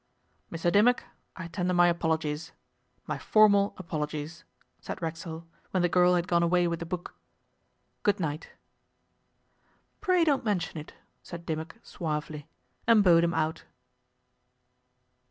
'Mr Dimmock, I tender my apologies my formal apologies,' said Racksole, when the girl had gone away with the book. 'Good night.' 'Pray don't mention it,' said Dimmock suavely and bowed him out.